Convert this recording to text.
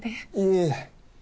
いえ。